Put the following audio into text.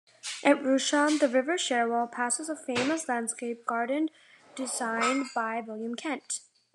At Rousham, the River Cherwell passes a famous landscape garden designed by William Kent.